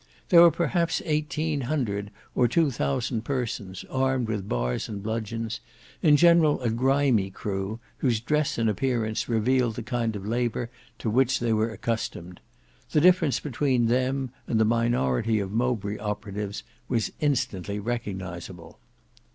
There were perhaps eighteen hundred or two thousand persons armed with bars and bludgeons, in general a grimy crew, whose dress and appearance revealed the kind of labour to which they were accustomed. The difference between them and the minority of Mowbray operatives was instantly recognizable.